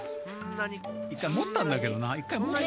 １かいもったんだけどな。